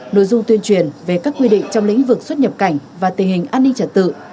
nội dung tuyên truyền về các quy định trong lĩnh vực xuất nhập cảnh và tình hình an ninh trật tự